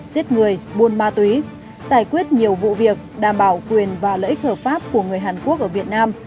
giết người buôn ma túy giải quyết nhiều vụ việc đảm bảo quyền và lợi ích hợp pháp của người hàn quốc ở việt nam